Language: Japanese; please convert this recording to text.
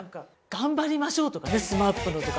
『がんばりましょう』とかねＳＭＡＰのとか。